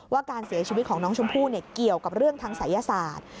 การเสียชีวิตของน้องชมพู่เกี่ยวกับเรื่องทางศัยศาสตร์